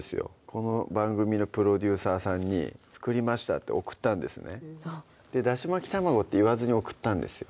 この番組のプロデューサーさんに「作りました」って送ったんですね「だし巻き玉子」って言わずに送ったんですよ